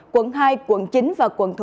quận hai quận chín và quận một mươi hai